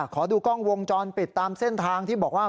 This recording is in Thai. ขอดูกล้องวงจรปิดตามเส้นทางที่บอกว่า